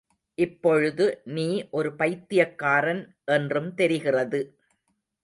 இப்பொழுது நீ ஒரு பைத்தியக்காரன் என்றும் தெரிகிறது!